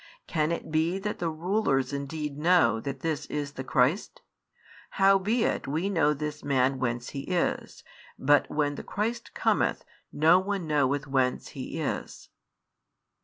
Can it be that the rulers indeed know that this is the Christ? |48 Howbeit we know this Man whence He is: but when the Christ cometh, no one knoweth whence He is.